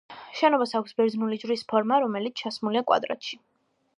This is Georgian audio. შენობას აქვს ბერძნული ჯვრის ფორმა, რომელიც ჩასმულია კვადრატში.